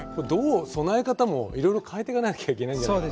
備え方もいろいろ変えてかなきゃいけないんじゃないかなと。